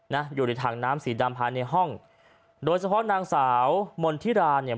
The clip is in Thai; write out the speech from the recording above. นะอยู่ในถังน้ำสีดำภายในห้องโดยเฉพาะนางสาวมณฑิราเนี่ย